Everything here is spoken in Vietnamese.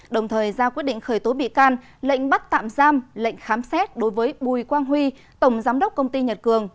đồng thời ra quyết định khởi tố bị can lệnh bắt tạm giam lệnh khám xét đối với bùi quang huy tổng giám đốc công ty nhật cường